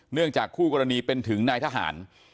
จากคู่กรณีเป็นถึงนายทหาร